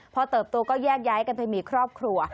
พอเติบโตก็แยกย้ายกันไปมีครอบครัว